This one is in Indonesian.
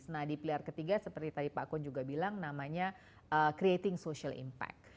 nah di pilar ketiga seperti tadi pak kun juga bilang namanya creating social impact